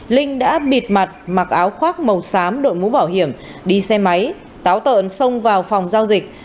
linh đã bịt mặt mặc áo khoác màu xám đội mũ bảo hiểm đi xe máy táo tợn xông vào phòng giao dịch